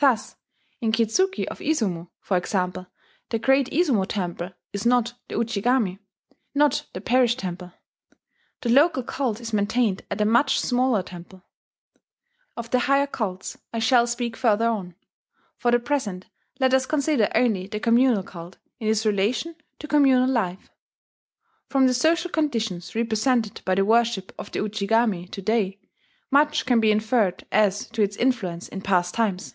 Thus in Kitzuki of Izumo, for example, the great Izumo temple is not the Ujigami, not the parish temple; the local cult is maintained at a much smaller temple .... Of the higher cults I shall speak further on; for the present let us consider only the communal cult, in its relation to communal life. From the social conditions represented by the worship of the Ujigami to day, much can be inferred as to its influence in past times.